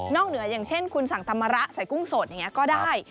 อ๋อนอกเหนืออย่างเช่นคุณสั่งตำมาระใส่กุ้งสดอย่างเงี้ยก็ได้อ๋อ